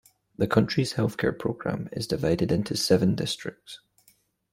The country's healthcare program is divided into seven districts.